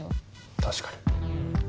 確かに。